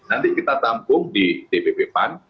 nanti kita tampung di dpp pan